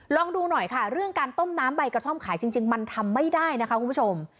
ลองดูหน่อยค่ะเรื่องการต้มน้ำใบกระท่อมขายจริงมันทำไม่ได้นะคะคุณผู้ชม